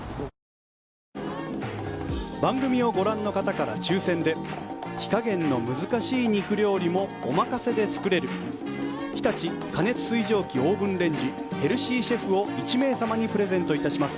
番組をご覧の方から抽選で火加減の難しい肉料理もお任せで作れる日立過熱水蒸気オーブンレンジヘルシーシェフを１名様にプレゼントいたします。